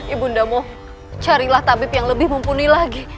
ibu ndamu carilah tabib yang lebih mumpuni lagi